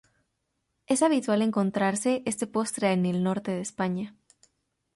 Es habitual encontrarse este postre en el norte de España.